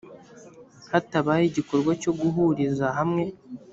hatabayeho igikorwa cyo guhuriza hamwe